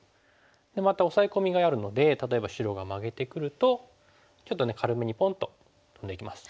でまたオサエ込みがあるので例えば白がマゲてくるとちょっとね軽めにポンとトンでいきます。